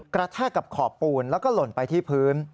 กระแทกกับขอบปูนและโหล่นไปที่พื้น